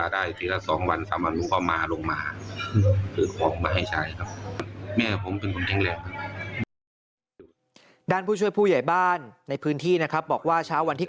ด้านผู้ช่วยผู้ใหญ่บ้านในพื้นที่นะครับบอกว่าเช้าวันที่